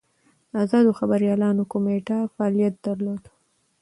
د ازادو خبریالانو کمېټه فعالیت درلود.